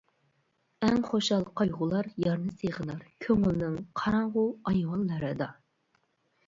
ئەڭ خۇشال قايغۇلار يارنى سېغىنار كۆڭۈلنىڭ قاراڭغۇ ئايۋانلىرىدا.